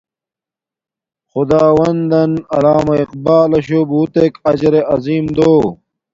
خداوندان علامہ اقبال لشو بوتک اجرعظیم دو